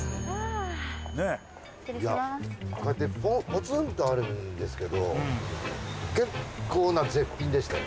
いやこうやってポツンとあるんですけど結構な絶品でしたよ。